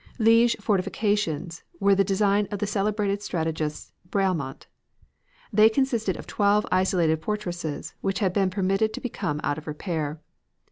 Liege fortifications were the design of the celebrated strategist Brialmont. They consisted of twelve isolated fortresses which had been permitted to become out of repair.